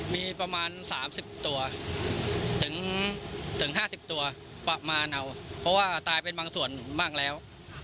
มีประมาณ๓๐ตัวถึง๕๐ตัวประมาณเอาเพราะว่าตายเป็นบางส่วนบ้างแล้ว